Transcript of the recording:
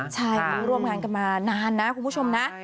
ใช่เขาร่วมงานกันมานานนะคุณผู้ชมนะ